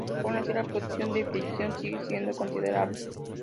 Aun así, la producción de ficción sigue siendo considerable.